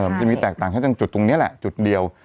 มันจะมีแตกต่างแค่ตรงจุดตรงนี้แหละจุดเดียว